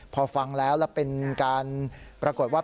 ผ่ากนอนแล้วเป็นการปรากฏว่า